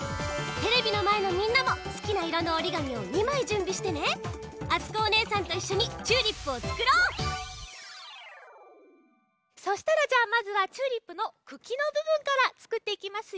テレビのまえのみんなもすきないろのおりがみを２まいじゅんびしてねそしたらじゃあまずはチューリップのくきのぶぶんからつくっていきますよ。